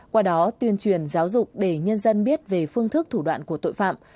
qua đó tuyên truyền giáo dục để nhân dân biết về phương thức thủ đoạn của tội phạm